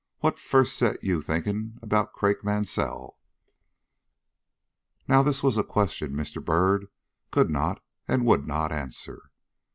What first set you thinking about Craik Mansell?" Now, this was a question Mr. Byrd could not and would not answer.